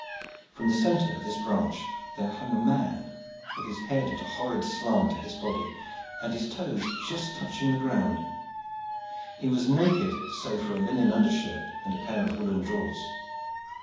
From the centre of this branch there hung a man, with his head at a horrid slant to his body and his toes just touching the ground. He was naked save for a linen under shirt and pair of woollen drawers.